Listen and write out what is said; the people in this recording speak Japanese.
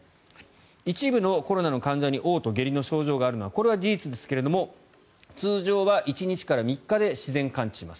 一部のコロナの患者におう吐、下痢の症状があるのはこれは事実ですが通常は１日から３日で自然完治します。